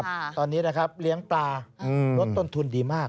ตอนนี้นะครับเลี้ยงปลาอืมลดต้นทุนดีมาก